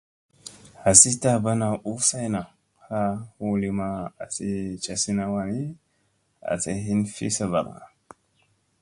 Hasi taaɓana u sayna haa hu li maa asi casina waani asi hin fi saɓakga.